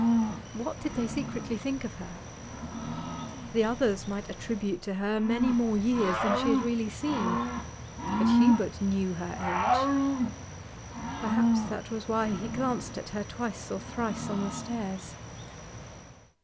What did they secretly think of her? The others might attribute to her many more years than she had really seen; but Hubert knew her age. Perhaps that was why he glanced at her twice or thrice on the stairs.